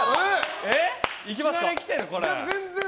いきなり来てる、これ。